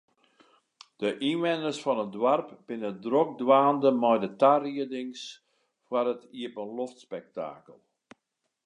De ynwenners fan it doarp binne drok dwaande mei de tariedings foar it iepenloftspektakel.